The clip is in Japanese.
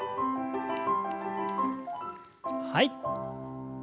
はい。